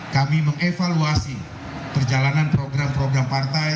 kami mengevaluasi perjalanan program program partai